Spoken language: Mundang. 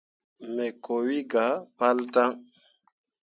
Me koot wi gah pal daŋ.